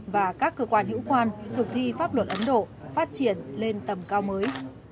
và các cơ quan hữu quan thực thi pháp luật ấn độ phát triển lên tầm cao mới